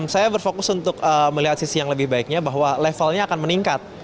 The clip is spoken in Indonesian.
saya berfokus untuk melihat sisi yang lebih baiknya bahwa levelnya akan meningkat